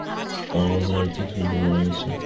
আমাদের অর্ধেক সৈন্য মারা গেছে!